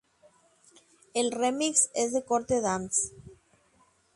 El remix es de corte dance.